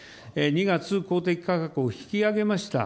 ２月、公的価格を引き上げました。